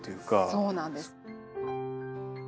そうなんです。